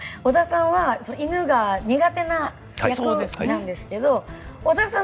織田さんは犬が苦手な役なんですが織田さん